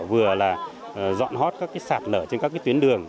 vừa là dọn hót các sạt lở trên các tuyến đường